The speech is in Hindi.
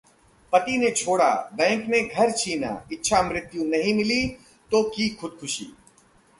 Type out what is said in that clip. पति ने छोड़ा, बैंक ने घर छीना, इच्छामृत्यु नहीं मिली तो की खुदकुशी